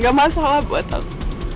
gak masalah buat kamu